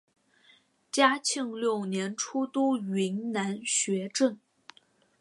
嘉庆六年出督云南学政。